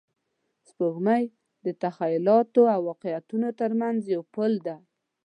سپوږمۍ د تخیلاتو او واقعیتونو تر منځ یو پل دی